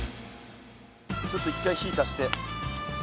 ちょっと一回火ぃ足して。